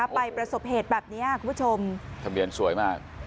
แต่อยู่ไปประสบเหตุแบบเนี้ยคุณผู้ชมทำเรียนสวยมาก